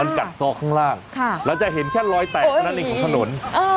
มันกัดซอกข้างล่างเราจะเห็นแค่รอยแตกเท่านั้นเองของถนน